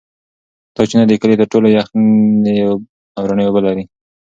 دا چینه د کلي تر ټولو یخې او رڼې اوبه لري.